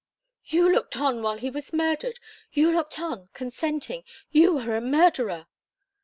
"You looked on while he was murdered! You looked on consenting! You are a murderer!"